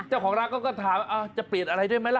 เจ้าของร้านเขาก็ถามจะเปลี่ยนอะไรด้วยไหมล่ะ